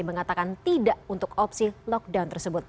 mengatakan tidak untuk opsi lockdown tersebut